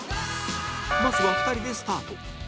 まずは２人でスタート